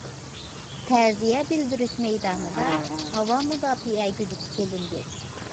تەزىيە بىلدۈرۈش مەيدانىدا ھاۋا مۇداپىئە گۈدۈكى چېلىندى.